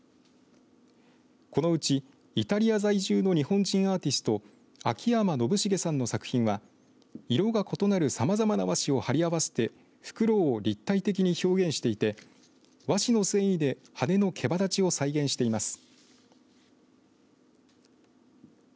このうちイタリア在住の日本人アーティスト秋山信茂さんの作品は色が異なるさまざまな和紙を貼り合わせてフクロウを立体的に表現していて和紙の繊維で羽のけば立ちを再現しています。